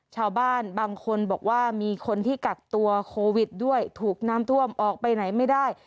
ชาวบ้านบางคนบอกว่ามีคนที่กักตัวโควิดด้วยถูกน้ำท่วมออกไปไหนไม่ได้